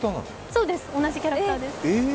そうです、同じキャラクターです。